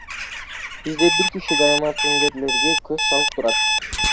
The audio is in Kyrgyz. Бизде бир киши дайыма тендерлерге көз салып турат.